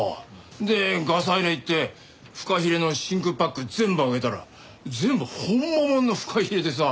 でガサ入れ行ってフカヒレの真空パック全部開けたら全部ほんまもんのフカヒレでさ。